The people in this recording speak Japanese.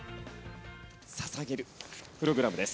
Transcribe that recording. ささげるプログラムです。